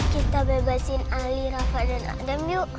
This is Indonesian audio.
kita bebasin ali rafa dan andam yuk